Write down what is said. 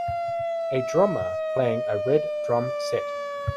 A drummer playing a red drum set.